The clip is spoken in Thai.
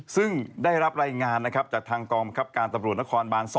ซึ่งได้รับรายงานนะครับจากทางกองบังคับการตำรวจนครบาน๒